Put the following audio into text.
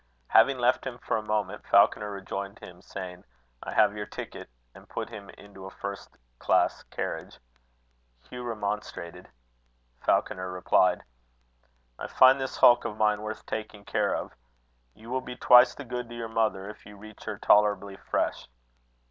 Having left him for a moment, Falconer rejoined him, saying: "I have your ticket;" and put him into a first class carriage. Hugh remonstrated. Falconer replied: "I find this hulk of mine worth taking care of. You will be twice the good to your mother, if you reach her tolerably fresh."